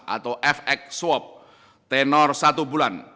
atau fx swab tenor satu bulan